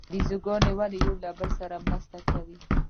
بیزوګان ولې یو بل سره مرسته کوي؟